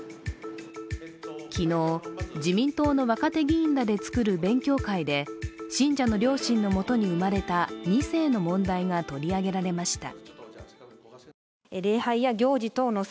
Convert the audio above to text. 昨日、自民党の若手議員らで作る勉強会で信者の両親の元に生まれた２世の問題が取り上げられました。